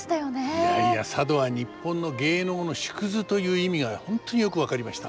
いやいや佐渡は日本の芸能の縮図という意味が本当によく分かりました。